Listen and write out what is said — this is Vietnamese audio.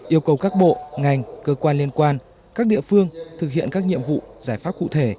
yêu cầu các bộ ngành cơ quan liên quan các địa phương thực hiện các nhiệm vụ giải pháp cụ thể